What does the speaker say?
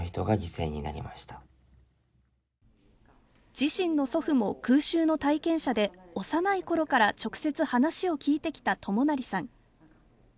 自身の祖父も空襲の体験者で幼い頃から直接話を聞いてきた智也さん